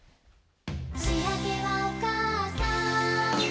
「しあげはおかあさん」